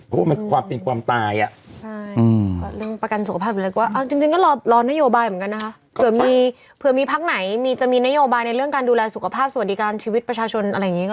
เพราะว่ามันความเป็นกว่ามตาย